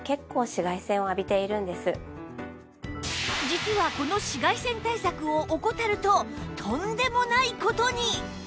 実はこの紫外線対策を怠るととんでもない事に！